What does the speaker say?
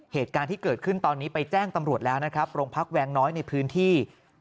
เหตุการณ์ที่เกิดขึ้นตอนนี้ไปแจ้งตำรวจแล้วนะครับโรงพักแวงน้อยในพื้นที่